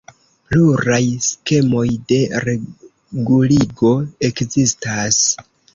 Pluraj skemoj de reguligo ekzistas.